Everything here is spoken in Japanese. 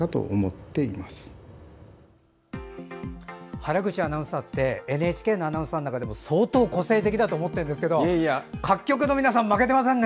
原口アナウンサーってＮＨＫのアナウンサーの中でも相当個性的だと思ってるんですけど各局の皆さん、負けてませんね。